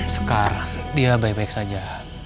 sekar dia baik baik saja